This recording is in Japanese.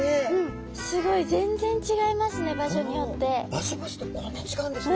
場所場所でこんなに違うんですね。